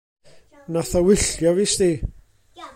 Nath o wylltio fi 'sdi.